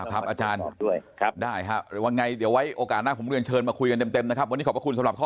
ครับอาจารย์ได้ครับหรือว่าไงเดี๋ยวไว้โอกาสหน้าผมเรียนเชิญมาคุยกันเต็มนะครับ